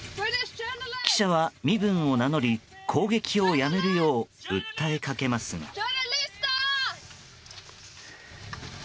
記者は身分を名乗り攻撃をやめるよう訴えかけますが。